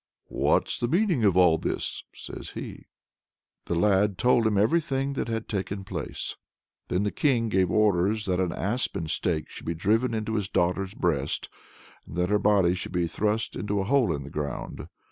"What's the meaning of all this?" says he. The lad told him everything that had taken place. Then the king gave orders that an aspen stake should be driven into his daughter's breast, and that her body should be thrust into a hole in the ground.